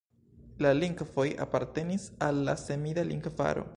La lingvoj apartenis al la semida lingvaro.